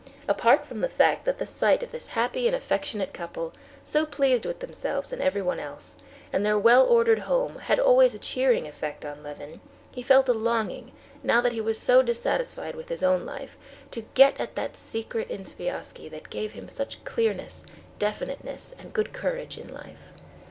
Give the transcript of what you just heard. Apart from the fact that the sight of this happy and affectionate couple, so pleased with themselves and everyone else, and their well ordered home had always a cheering effect on Levin, he felt a longing, now that he was so dissatisfied with his own life, to get at that secret in Sviazhsky that gave him such clearness, definiteness, and good courage in life.